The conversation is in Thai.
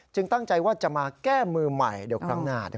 ตั้งใจว่าจะมาแก้มือใหม่เดี๋ยวครั้งหน้า